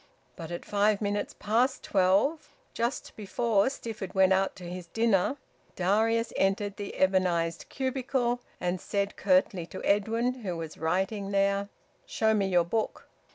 But at five minutes past twelve just before Stifford went out to his dinner Darius entered the ebonised cubicle, and said curtly to Edwin, who was writing there "Show me your book."